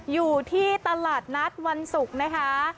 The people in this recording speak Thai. อยู่ที่ตลาดนัดวันศุกร์นะคะ